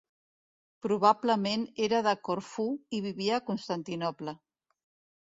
Probablement era de Corfú i vivia a Constantinoble.